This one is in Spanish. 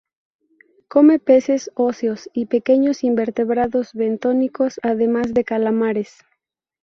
Come peces óseos y pequeños invertebrados bentónicos, además de calamares.